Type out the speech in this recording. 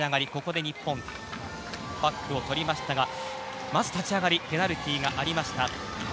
日本、パックをとりましたがまず、立ち上がりにペナルティーがありました。